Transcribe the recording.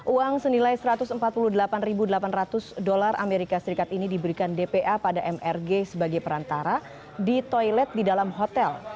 uang senilai satu ratus empat puluh delapan delapan ratus dolar as ini diberikan dpa pada mrg sebagai perantara di toilet di dalam hotel